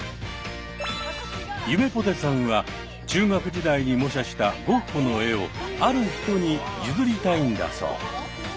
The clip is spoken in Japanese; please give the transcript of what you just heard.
ゆめぽてさんは中学時代に模写したゴッホの絵をある人に譲りたいんだそう。